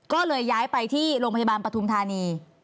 ก็เลยย้ายไปที่โรงพยาบาลปฐุมธานี